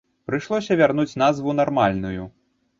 Прыйшлося вярнуць назву нармальную.